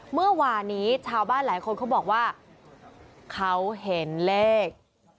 เมื่อวานนี้ชาวบ้านหลายคนเขาบอกว่าเขาเห็นเลข